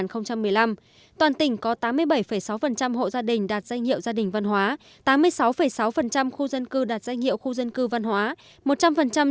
toàn tỉnh có tám mươi bảy sáu hộ gia đình đạt danh hiệu gia đình văn hóa tám mươi sáu sáu khu dân cư đạt danh hiệu khu dân cư văn hóa